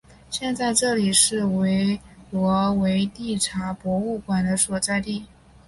现在这里是维罗维蒂察博物馆的所在地。